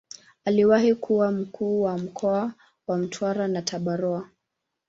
Aliwahi kuwa Mkuu wa mkoa wa Mtwara na Tabora.